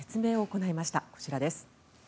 こちらです。